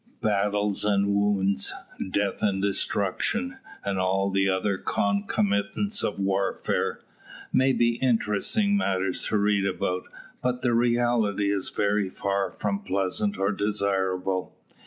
Battles and wounds, death and destruction, and all the other concomitants of warfare, may be interesting matters to read about, but the reality is very far from pleasant or desirable.